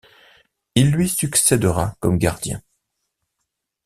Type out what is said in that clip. Il lui succédera comme gardien.